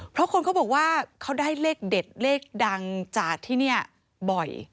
เพราะคนเขาบอกว่าเขาได้เลขเด็ดเลขดังจากที่นี่บ่อย